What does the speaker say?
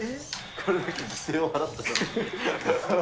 これだけ犠牲を払って。